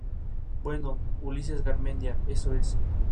bueno, Ulises Garmendia... eso es.